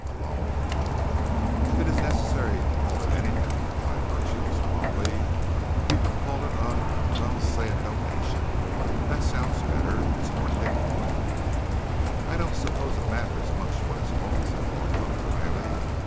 A loan?" "If it's necessary to call it anything," replied Burchill suavely, "you can call it a well, say a donation. That sounds better it's more dignified." "I don't suppose it matters much what it's called," said Barthorpe drily.